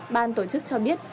ban tổ chức cho biết